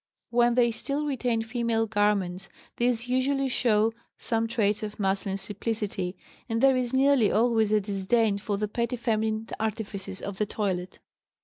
When they still retain female garments, these usually show some traits of masculine simplicity, and there is nearly always a disdain for the petty feminine artifices of the toilet.